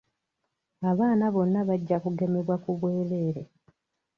Abaana bonna bajja kugemebwa ku bwereere.